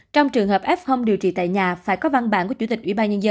trong trường hợp f điều trị tại nhà phải có văn bản của chủ tịch ubnd